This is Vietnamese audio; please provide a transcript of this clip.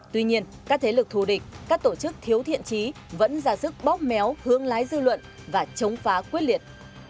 tuy nhiên các thế lực thù địch các tổ chức thiếu thiện trí vẫn ra sức bóp méo hướng lái dư luận và chống phá quyết liệt